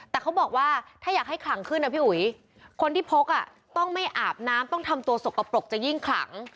แต่เขาบอกว่าถ้าอยากให้ขลังขึ้นนะพี่อุ๋ยคนที่พกอ่ะต้องไม่อาบน้ำต้องทำตัวสกปรกจะยิ่งขลัง